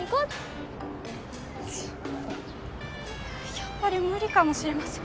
やっぱり無理かもしれません。